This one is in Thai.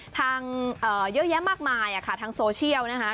ทางเอ่อเยอะแยะมากมายอ่ะค่ะทางโซเชียลนะฮะ